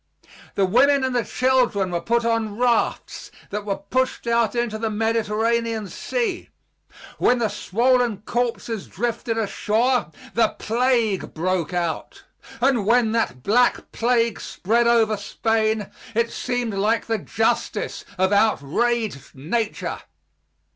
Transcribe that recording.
The women and the children were put on rafts that were pushed out into the Mediterranean Sea. When the swollen corpses drifted ashore, the plague broke out, and when that black plague spread over Spain it seemed like the justice of outraged nature.